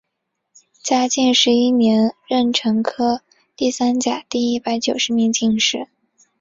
嘉靖十一年壬辰科第三甲第一百九十名进士。